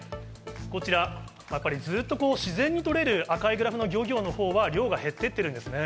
こちら、ずっと自然にとれる赤いグラフの漁協のほうは量が減っていってるんですね。